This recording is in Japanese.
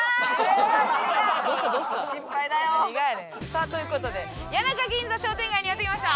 さあという事で谷中銀座商店街にやって来ました。